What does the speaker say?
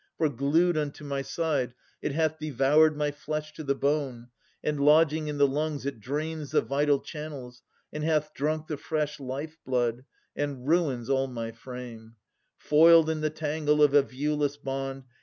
For, glued unto my side, it hath devoured My flesh to the bone, and lodging in the lungs It drains the vital channels, and hath drunk The fresh life blood, and ruins all my frame, Foiled in the tangle of a viewless bond.